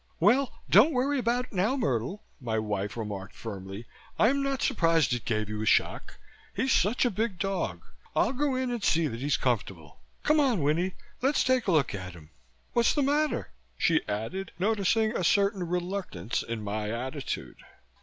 "Well, don't worry about it now, Myrtle," my wife remarked firmly. "I'm not surprised it gave you a shock. He's such a big dog. I'll go in and see that he's comfortable. Come on, Winnie! Let's take a look at him. What's the matter?" she added, noticing a certain reluctance in my attitude.